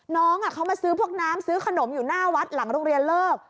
น้องเขามาซื้อพวกน้ำซื้อขนมอยู่หน้าวัดหลังโรงเรียนเลิก